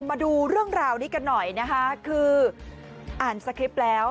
มาดูเรื่องราวนี้กันหน่อยนะคะคืออ่านสคริปต์แล้ว